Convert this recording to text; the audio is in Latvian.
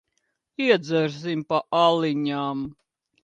Iedzersim pa aliņam.